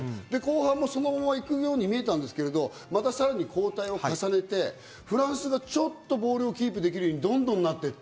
後半もそのまま行くように見えますけど、さらに交代を重ねてフランスがちょっとボールをキープできるようになっていった。